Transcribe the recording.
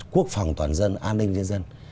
quốc phòng toàn dân an ninh cho dân